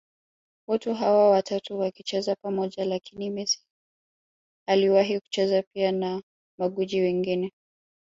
watu hawa watatu wakicheza pamoja Lakini Messi aliwahi kuchezaji pia na magwiji wengine